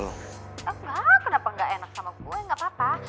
kenapa gak enak sama gue gak papa